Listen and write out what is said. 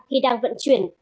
khi đang vận chuyển